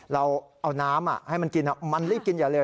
เราเอาน้ำให้มันกินมันรีบกินอย่าเร็